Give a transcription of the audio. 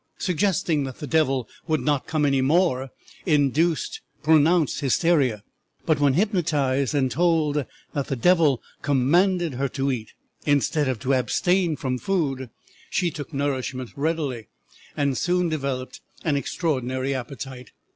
Suggesting that the devil would not come any more induced pronounced hysteria, but when hypnotized, and told that the devil commanded her to eat, instead of to abstain from food, she took nourishment readily, and soon developed an extraordinary appetite.